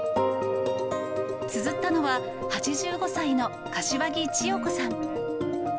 つづったのは、８５歳の柏木千代子さん。